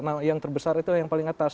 nah yang terbesar itu yang paling atas